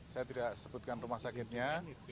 saya tidak sebutkan rumah sakitnya